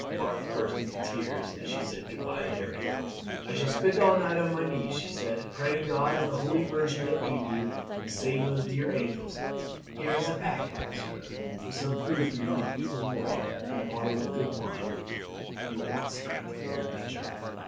Marthe burst into tears as she said good bye to Harry. "I shall spend all night on my knees," she said, "praying God and the Holy Virgin to aid you and save those dear angels. Here is a packet, monsieur, with some food for you to eat in the morning, and a bottle of good wine. You will want strength for your adventure."